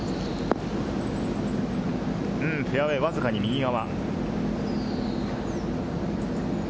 フェアウエーわずかに右側。